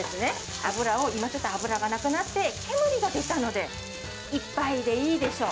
油を、今ちょっと油がなくなって煙が出たので、１杯でいいでしょう。